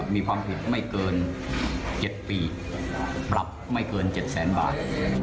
มีความผิดไม่เกิน๗ปีปรับไม่เกิน๗แสนบาท